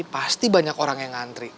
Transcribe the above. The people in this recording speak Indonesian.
pasti banyak orang yang ngantri